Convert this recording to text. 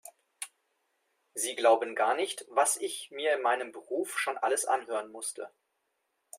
Sie glauben gar nicht, was ich mir in meinem Beruf schon alles anhören musste.